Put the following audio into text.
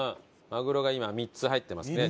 まぐろが今３つ入ってますね。